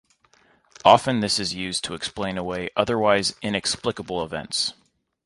Often this is used to explain away otherwise inexplicable events.